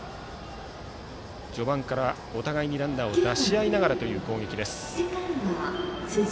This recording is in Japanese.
序盤からお互いにランナーを出し合いながらの攻撃。